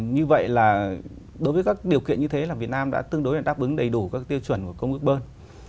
như vậy là đối với các điều kiện như thế là việt nam đã tương đối đáp ứng đầy đủ các tiêu chuẩn của công ước bơn